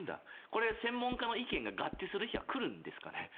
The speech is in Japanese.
これ、専門家の意見が合致する日は来るんですかね。